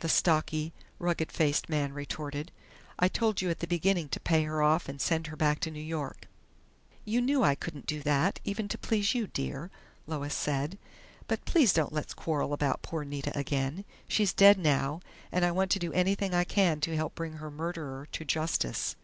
the stocky, rugged faced man retorted. "I told you at the beginning to pay her off and send her back to New York " "You knew I couldn't do that, even to please you, dear," Lois said. "But please don't let's quarrel about poor Nita again. She's dead now, and I want to do anything I can to help bring her murderer to justice."